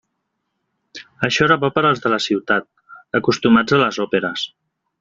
Això era bo per als de la ciutat, acostumats a les òperes.